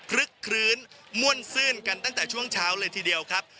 ลึกคลื้นม่วนซื่นกันตั้งแต่ช่วงเช้าเลยทีเดียวครับ